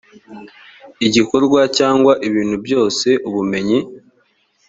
igikorwa cyangwa ibintu byose ubumenyi